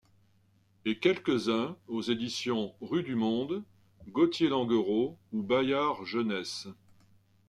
Et quelques-uns aux éditions Rue du monde, Gautier-Languereau ou Bayard Jeunesse.